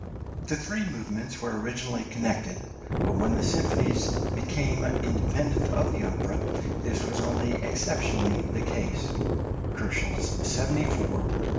The three movements were originally connected; but when the symphonies became independent of the opera, this was only exceptionally the case (74, 181, 184, K.).